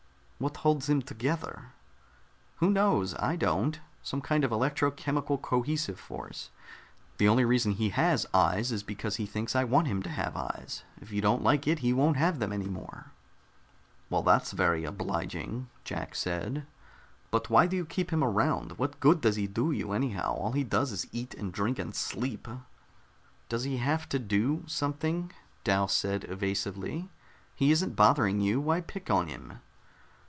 "What holds him together?" "Who knows? I don't. Some kind of electro chemical cohesive force. The only reason he has 'eyes' is because he thinks I want him to have eyes. If you don't like it, he won't have them any more." "Well, that's very obliging," Jack said. "But why do you keep him around? What good does he do you, anyhow? All he does is eat and drink and sleep." "Does he have to do something?" Dal said evasively. "He isn't bothering you. Why pick on him?"